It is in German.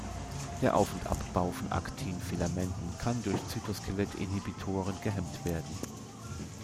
Der Auf- und Abbau von Aktin-Filamenten kann durch Zytoskelett-Inhibitoren gehemmt werden.